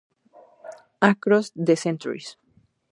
Across The Centuries.